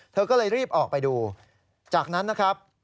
เธอก็เลยรีบออกไปดูจากนั้นนะครับ